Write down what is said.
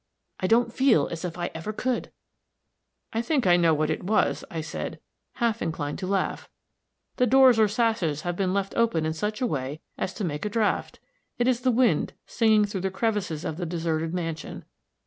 I don't feel as if I ever could." "I think I know what it was," I said, half inclined to laugh. "The doors or sashes have been left open in such a way as to make a draught. It is the wind, singing through the crevices of the deserted mansion.